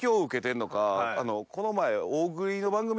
この前。